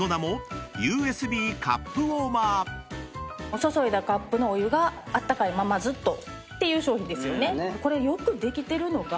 注いだカップのお湯があったかいままずっとっていう商品ですよね。